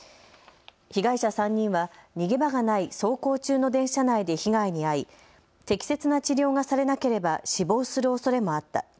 被害者３人は逃げ場がない走行中の電車内で被害に遭い適切な治療がされなければ死亡するおそれもあった。